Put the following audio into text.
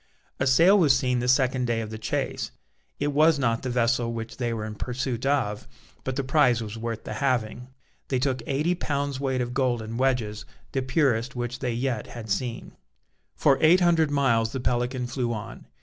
A sail was seen the second day of the chase: it was not the vessel which they were in pursuit of, but the prize was worth the having. They took eighty pounds' weight of gold in wedges, the purest which they yet had seen. For eight hundred miles the Pelican flew on.